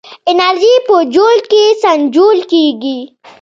انرژي په جول کې سنجول کېږي.